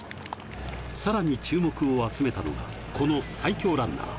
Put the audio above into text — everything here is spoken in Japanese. さらに注目を集めたのがこの最強ランナー。